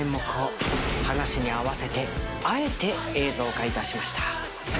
噺に合わせてあえて映像化致しました。